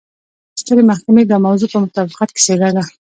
سترې محکمې دا موضوع په مطابقت کې څېړله.